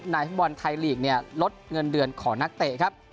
ในผู้บอลไทยลีกลดเงินเดือนของนักเตะ